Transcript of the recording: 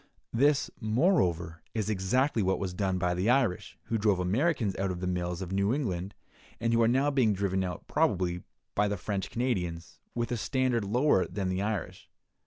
This, moreover, is exactly what was done by the Irish, who drove Americans out of the mills of New England, and who are now being driven out, probably, by the French Canadians, with a standard lower than the Irish.